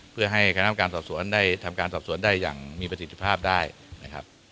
เพื่อให้คณะกรรมการสอบสวนได้ทำการสอบสวนได้อย่างมีประสิทธิภาพได้นะครับ